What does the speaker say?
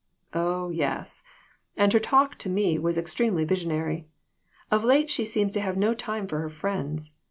" Oh, yes ; and her talk to me was extremely visionary. Of late she seems to have no time for her friends.